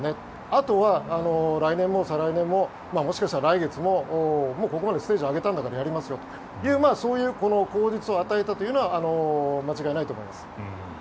あとは来年も再来年ももしかしたら来月もここまでステージを上げたんだからやりますよという口実を与えたのは間違いないと思います。